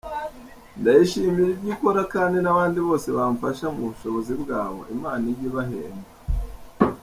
Ndayishimira ibyo ikora kandi n’abandi bose bamfasha mu bushobozi bwabo Imana ijye ibahemba.”